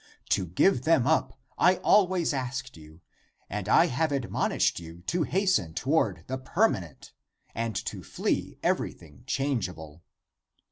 To give them up I always asked you, and I have admonished you to hasten toward the permanent and to flee everything changeable.